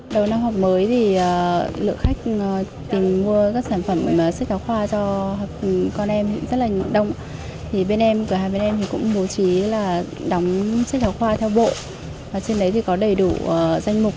đầu năm học mới thì lượng khách tìm